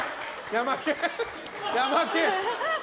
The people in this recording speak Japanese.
ヤマケン！